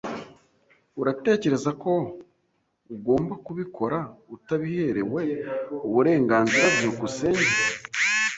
Uratekereza ko ugomba kubikora utabiherewe uburenganzira? byukusenge